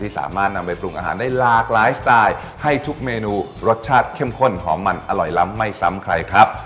สามารถนำไปปรุงอาหารได้หลากหลายสไตล์ให้ทุกเมนูรสชาติเข้มข้นหอมมันอร่อยล้ำไม่ซ้ำใครครับ